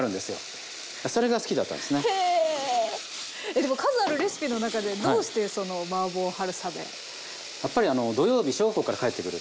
でも数あるレシピの中でどうしてそのマーボー春雨。